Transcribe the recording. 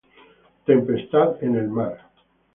Tempestad en el mar".